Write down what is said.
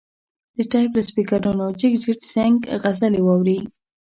د ټیپ له سپیکرونو جګجیت سنګ غزلې واوري.